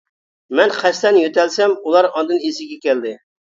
مەن قەستەن يۆتەلسەم، ئۇلار ئاندىن ئېسىگە كەلدى.